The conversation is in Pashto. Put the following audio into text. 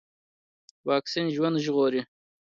واکسين ژوند ژغوري.